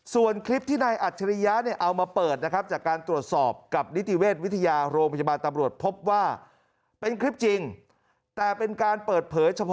ส่วนคลิปที่ในอัจฉริยาเอามาเปิด